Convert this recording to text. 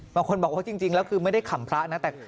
บางคนบอกว่าจริงแล้วคือไม่ได้ขำพระนะแต่